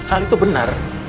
al itu benar